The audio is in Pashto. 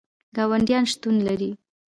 ګاونډیان شتون لري